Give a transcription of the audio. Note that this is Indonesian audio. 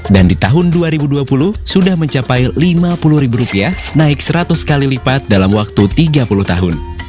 di tahun dua ribu dua puluh sudah mencapai rp lima puluh ribu rupiah naik seratus kali lipat dalam waktu tiga puluh tahun